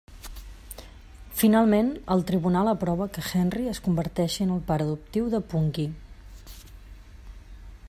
Finalment, el tribunal aprova que Henry es converteixi en el pare adoptiu de Punky.